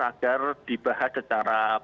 agar dibahas secara pelajaran